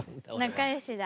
仲よしだ。